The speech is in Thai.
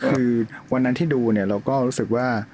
คือวันนั้นที่ดูเราก็รู้สึกว่า